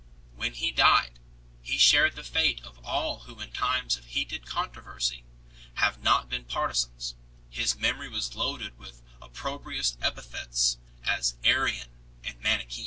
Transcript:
When he died he shared the fate of all who in times of heated controversy have not been partisans ; his memory was loaded with opprobrious epithets, as "Arian" and " Manicha?